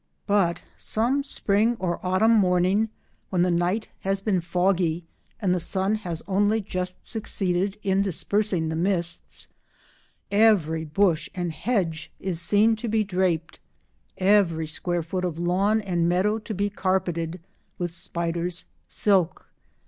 But some spring or autumn morning, when the night has been foggy and the sun has only just succeeded in dispersing the mists, every bush and hedge is seen to be draped, every square foot of lawn and meadow to be carpeted with spiders' silk.